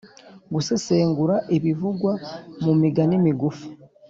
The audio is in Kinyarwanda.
Gusesengura ibivugwa mu migani migufi